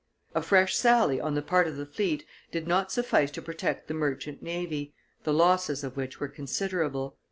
A fresh sally on the part of the fleet did not suffice to protect the merchant navy, the losses of which were considerable.